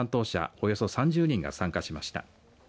およそ３０人が参加しました。